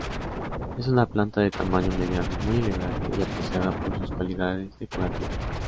Es una planta de tamaño mediano muy elegante y apreciada por sus cualidades decorativas.